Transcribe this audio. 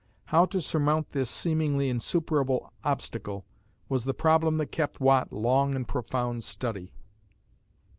How to surmount this seemingly insuperable obstacle was the problem that kept Watt long in profound study.